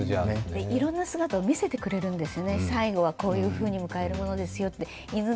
いろんな姿を見せてくれるんですよ。